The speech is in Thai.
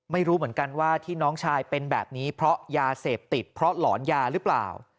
ไม่รู้เหมือนกันว่าที่น้องชายเป็นแบบนี้เพราะยาเสพติดเพราะหลอนยาหรือเปล่า